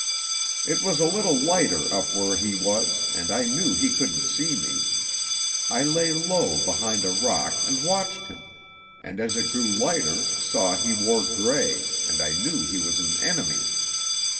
"It was a little lighter up where he was and I knew he couldn't see me. I lay low behind a rock and watched him, and as it grew lighter saw he wore gray, and I knew he was an enemy.